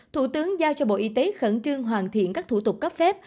thủ tướng giao cho bộ y tế khẩn trương hoàn thiện các thủ tục cấp phép